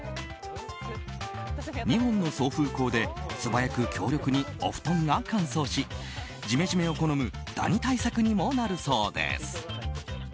２本の送風口で素早く強力にお布団が乾燥し、ジメジメを好むダニ対策にもなるそうです。